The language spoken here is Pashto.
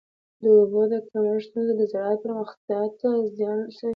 د اوبو د کمښت ستونزه د زراعت پراختیا ته زیان رسوي.